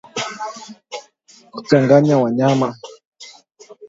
Kuchanganya wanyama